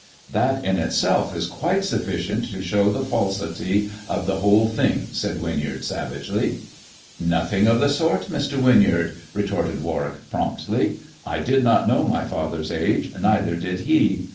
" That in itself is quite sufficient to show the falsity of the whole thing," said Winyard savagely. " Nothing of the sort, Mr. Winyard," retorted Warwick promptly. " I did not know my father's age, neither did he.